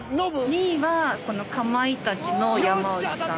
２位はこのかまいたちの山内さん。